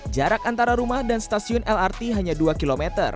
jarak antara rumah dan stasiun lrt hanya dua km